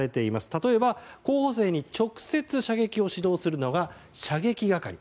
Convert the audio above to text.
例えば、候補生に直接、射撃を指導するのは射撃係。